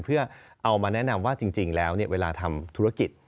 เพื่อเอามาแนะนำว่าจริงแล้วเวลาทำธุรกิจ